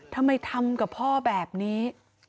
ทำไมทำกับพ่อแบบนี้